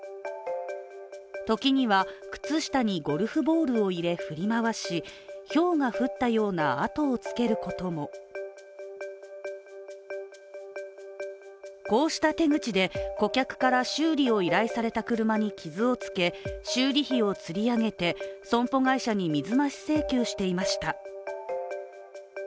時には靴下にゴルフボールを入れ振り回しひょうが降ったような痕をつけることもこうして手口で顧客から修理を依頼された車に傷をつけ、修理費をつり上げて、損保会社に水増し請求していました。